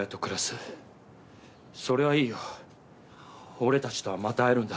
俺たちとはまた会えるんだ。